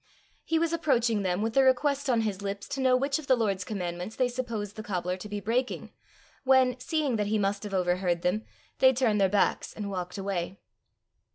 He was approaching them with the request on his lips to know which of the Lord's commandments they supposed the cobbler to be breaking, when, seeing that he must have overheard them, they turned their backs and walked away.